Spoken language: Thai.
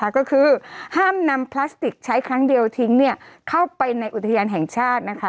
ก็คือห้ามนำพลาสติกใช้ครั้งเดียวทิ้งเข้าไปในอุทยานแห่งชาติ